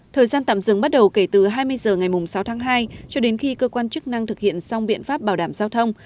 thời gian tạm dừng bắt đầu kể từ hai mươi h ngày sáu tháng hai cho đến khi cơ quan chức năng thực hiện xong biện pháp bảo đảm giao thông